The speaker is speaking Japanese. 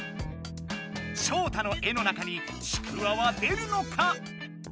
ショウタの絵の中にちくわは出るのか？